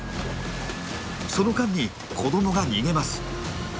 その間に子どもが逃げます。